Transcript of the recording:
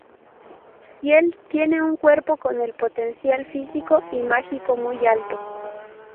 Ciel tiene un cuerpo con el potencial físico y mágico muy alto.